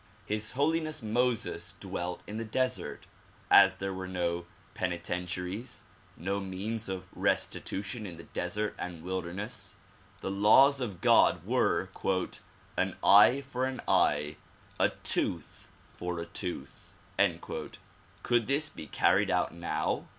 His Holiness Moses dwelt in the desert. As there w^re no penitentiaries, no means of resti tution in the desert and wilderness, the laws of God were '* An eye for an eye, a tooth for a tooth." Could this be carried out now?